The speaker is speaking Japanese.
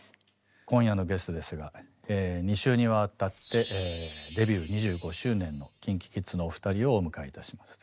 今夜のゲストですが２週にわたってデビュー２５周年のＫｉｎＫｉＫｉｄｓのお二人をお迎えいたしました。